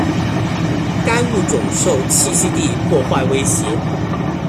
该物种受栖息地破坏威胁。